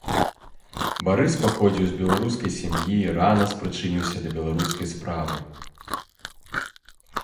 Барыс паходзіў з беларускай сям'і і рана спрычыніўся да беларускай справы.